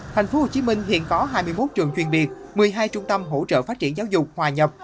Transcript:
tp hcm hiện có hai mươi một trường chuyên biệt một mươi hai trung tâm hỗ trợ phát triển giáo dục hòa nhập